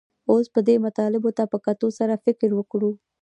اوس به دې مطالبو ته په کتو سره فکر وکړو